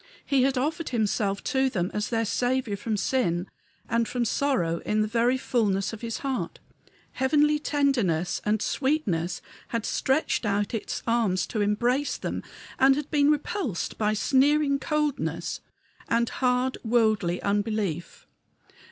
He had offered himself to them as their Saviour from sin and from sorrow in the very fullness of his heart. Heavenly tenderness and sweetness had stretched out its arms to embrace them, and been repulsed by sneering coldness and hard, worldly unbelief.